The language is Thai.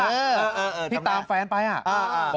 เออพี่ตามฟ้านไปหรอ